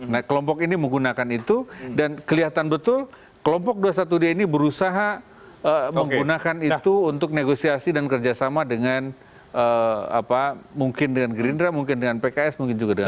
nah kelompok ini menggunakan itu dan kelihatan betul kelompok dua ratus dua belas ini berusaha menggunakan itu untuk negosiasi dan kerjasama dengan mungkin dengan gerindra mungkin dengan pks mungkin juga dengan